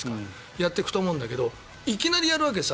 やっていくと思うんだけどいきなりやるわけです。